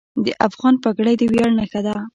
د افغان پګړۍ د ویاړ نښه ده.